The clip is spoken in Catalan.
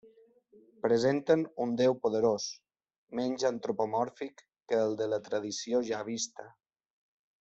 Presenten un Déu poderós, menys antropomòrfic que el de la tradició jahvista.